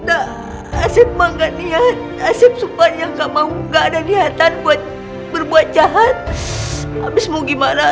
asep emang gak niat asep sumpah yang gak mau gak ada niatan buat berbuat jahat habis mau gimana